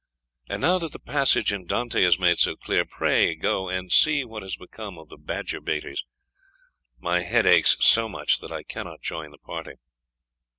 And now that the passage in Dante is made so clear, pray go and see what has become of the badger baiters. My head aches so much that I cannot join the party."